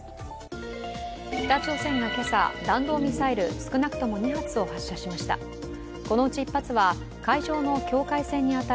北朝鮮が今朝、弾道ミサイル、少なくとも２発を発射しました。